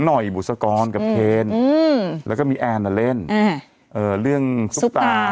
หน่อยบุษกรกับเคนอืมแล้วก็มีแอนอ่ะเล่นเออเรื่องสุตา